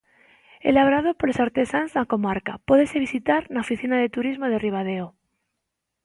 Elaborado polos artesáns da comarca, pódese visitar na Oficina de Turismo de Ribadeo.